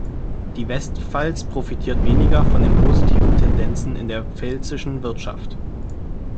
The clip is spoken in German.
Die Westpfalz profitiert weniger von den positiven Tendenzen in der pfälzischen Wirtschaft.